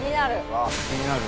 わっ気になる。